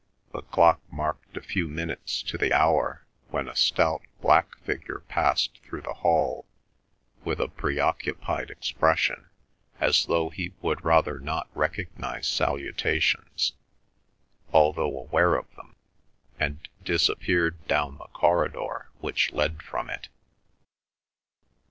The clock marked a few minutes to the hour when a stout black figure passed through the hall with a preoccupied expression, as though he would rather not recognise salutations, although aware of them, and disappeared down the corridor which led from it.